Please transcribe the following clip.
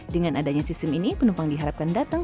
dengan adanya sistem ini penumpang diharapkan datang